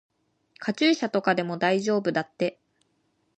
カチューシャとかでも大丈夫だって。